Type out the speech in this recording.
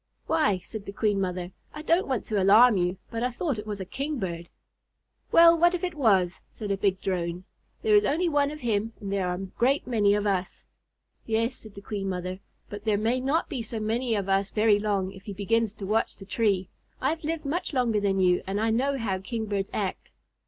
"Why," said the Queen Mother, "I don't want to alarm you, but I thought it was a Kingbird." "Well, what if it was?" said a big Drone. "There is only one of him and there are a great many of us." "Yes," said the Queen Mother, "but there may not be so many of us very long if he begins to watch the tree. I have lived much longer than you and I know how Kingbirds act."